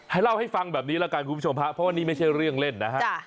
เล่าให้ฟังแบบนี้ละกันคุณผู้ชมฮะเพราะว่านี่ไม่ใช่เรื่องเล่นนะฮะ